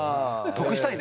得したい？